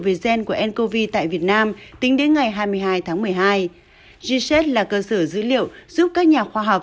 về gen của ncov tại việt nam tính đến ngày hai mươi hai tháng một mươi hai gset là cơ sở dữ liệu giúp các nhà khoa học